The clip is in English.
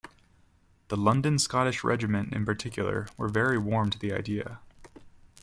The London Scottish Regiment in particular were very warm to the idea.